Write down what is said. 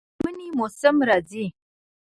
د منی موسم راځي